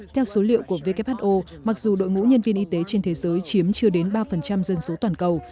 theo số liệu của who mặc dù đội ngũ nhân viên y tế trên thế giới chiếm chưa đến ba dân số toàn cầu